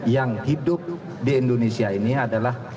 yang hidup di indonesia ini adalah